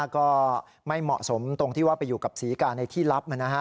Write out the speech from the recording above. ก็ไม่เหมาะสมตรงที่ว่าไปอยู่กับศรีกาในที่ลับ